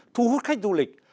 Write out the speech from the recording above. thu hút khách du lịch